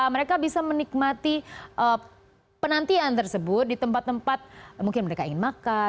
mereka bisa menikmati penantian tersebut di tempat tempat mungkin mereka ingin makan